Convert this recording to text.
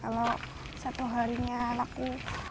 kalau satu harinya laku empat